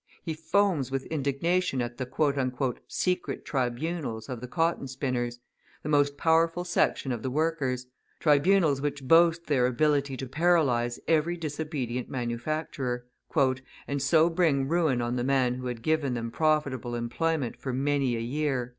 He foams with indignation at the "secret tribunals" of the cotton spinners, the most powerful section of the workers, tribunals which boast their ability to paralyse every disobedient manufacturer, {222a} "and so bring ruin on the man who had given them profitable employment for many a year."